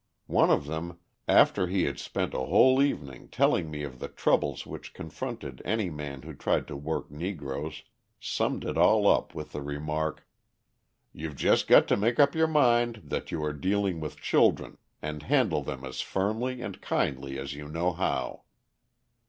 One of them, after he had spent a whole evening telling me of the troubles which confronted any man who tried to work Negroes, summed it all up with the remark: "You've just got to make up your mind that you are dealing with children, and handle them as firmly and kindly as you know how."